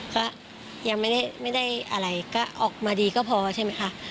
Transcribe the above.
ก็ยังไม่ได้อะไรก็ออกมาดีก็พอใช่ไหมคะ